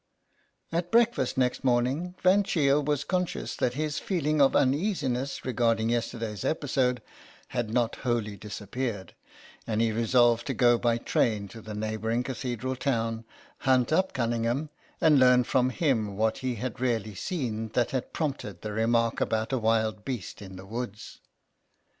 At breakfast next morning Van Cheele was conscious that his feeling of uneasiness regarding yesterday's episode had not wholly disappeared, and he resolved to go by train to the neighbouring cathedral town, hunt up 54 GABRIEL ERNEST Cunningham, and learn from him what he had really seen that had prompted the remark about a wild beast in the woods.